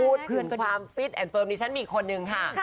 พอพูดไปความฟิสแอนด์เฟิร์มฉาชันมีคนหนึ่งค่ะ